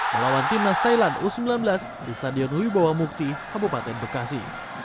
melawan timnas thailand u sembilan belas di stadion wibawa mukti kabupaten bekasi